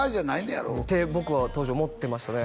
やろって僕は当時思ってましたね